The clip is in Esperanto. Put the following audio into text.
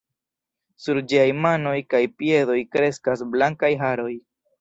Sur ĝiaj manoj kaj piedoj kreskas blankaj haroj.